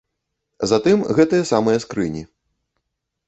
Затым гэтыя самыя скрыні.